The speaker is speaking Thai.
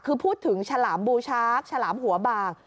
คือพูดถึงชาหลามบลูชาร์กชาหลามหัวบาง